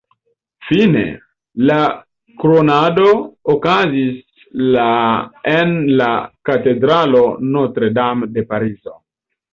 Fine, la kronado okazis la en la katedralo Notre-Dame de Parizo.